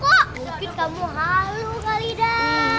mungkin kamu halu kali dam